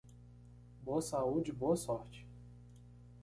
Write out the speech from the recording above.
Boa saúde e boa sorte